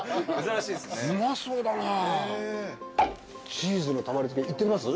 チーズのたまり漬いってみます？